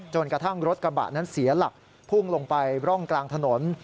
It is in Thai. จนกระทั่งรถกระบะนั้นเสียหลักพุ่งลงไปร่องกลางถนน